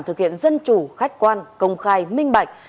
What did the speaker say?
thực hiện dân chủ khách quan công khai minh bạch